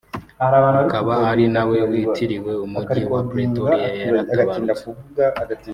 akaba ari nawe witiriwe umujyi wa Pretoria yaratabarutse